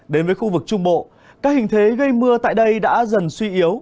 đến với khu vực trung bộ các hình thế gây mưa tại đây đã dần suy yếu